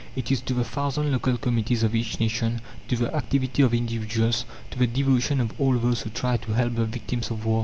It is to the thousand local committees of each nation; to the activity of individuals, to the devotion of all those who try to help the victims of war.